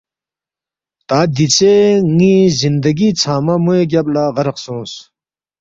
تا دیژے ن٘ی زندگی ژھنگمہ موے گیب لہ غرق سونگس